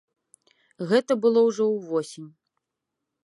Гэта было ўжо ўвосень.